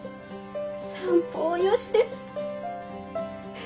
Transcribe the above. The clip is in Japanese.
「三方よし」です！